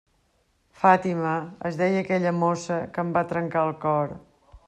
Fàtima, es deia aquella mossa que em va trencar el cor.